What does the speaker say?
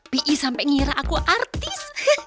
p i sampai ngira aku artis